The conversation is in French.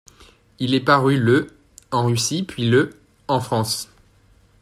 Il est paru le en Russie puis le en France.